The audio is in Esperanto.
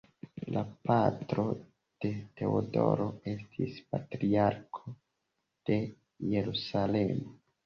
La patro de Teodoro estis Patriarko de Jerusalemo.